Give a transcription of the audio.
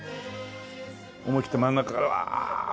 思い切って真ん中からうわー！